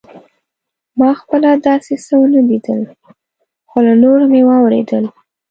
ما خپله داسې څه ونه لیدل خو له نورو مې واورېدل.